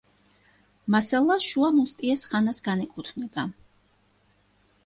მასალა შუა მუსტიეს ხანას განეკუთვნება.